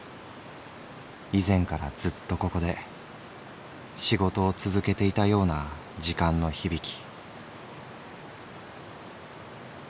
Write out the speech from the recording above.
以前からずっとここで仕事を続けていたような時間の響き」。